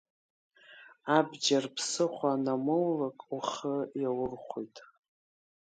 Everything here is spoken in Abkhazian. Абџьар ԥсыхәа анумоулаак ухы иаурхәоит.